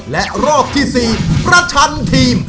และรอบที่๔ประชันทีม